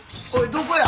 どこや？